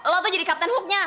lo tuh jadi captain hooknya